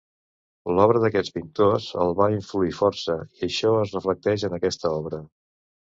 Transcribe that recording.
L'obra d'aquests pintors el va influir força, i això es reflecteix en aquesta obra.